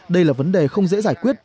đây là vấn đề không dễ giải quyết